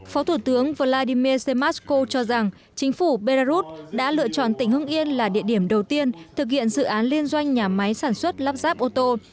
phó thủ tướng vladimir semesko cho rằng chính phủ belarus đã lựa chọn tỉnh hưng yên là địa điểm đầu tiên thực hiện dự án liên doanh nhà máy sản xuất lắp ráp ô tô